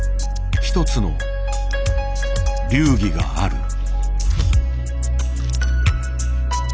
一つの流儀がある。